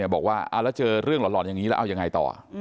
บอกว่าแล้วเจอเรื่องหล่อนอย่างนี้แล้วเอายังไงต่อ